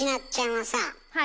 はい。